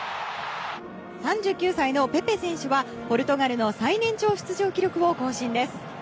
３９歳、ペペ選手はポルトガルの最年長出場記録を更新です。